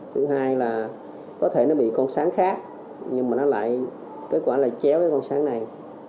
thứ hai là có thể nó bị con sáng khác nhưng mà nó lại kết quả là chéo cái con sáng này